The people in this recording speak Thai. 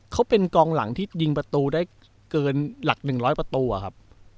เขาเป็นกองหลังที่ยิงประตูได้เกินหลัก๑๐๐ประตูอะครับ